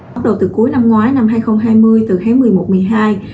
bắt đầu từ cuối năm ngoái năm hai nghìn hai mươi từ tháng một mươi một một mươi hai